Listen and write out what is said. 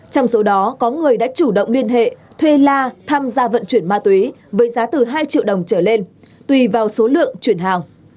trong số đó có người đã chủ động liên hệ thuê la tham gia vận chuyển ma túy với giá từ hai triệu đồng trở lên tùy vào số lượng chuyển hàng